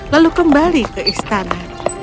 lalu kembali ke istana